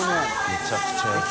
めちゃくちゃ安い。